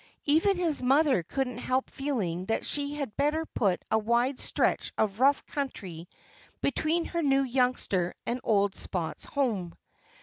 Even his mother couldn't help feeling that she had better put a wide stretch of rough country between her new youngster and old Spot's home.